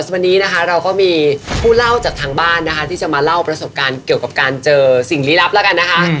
วันนี้นะคะเราก็มีผู้เล่าจากทางบ้านนะคะที่จะมาเล่าประสบการณ์เกี่ยวกับการเจอสิ่งลี้ลับแล้วกันนะคะ